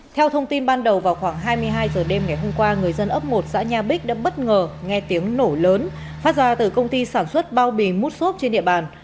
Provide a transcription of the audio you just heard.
theo thông tin ban đầu vào khoảng hai mươi hai h đêm ngày hôm qua người dân ấp một xã nha bích đã bất ngờ nghe tiếng nổ lớn phát ra từ công ty sản xuất bao bì mút xốp trên địa bàn